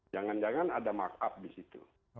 jangan jangan ada markup di situ